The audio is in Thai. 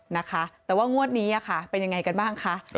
นะคะแต่ว่างวดนี้ค่ะเป็นยังไงกันบ้างคะ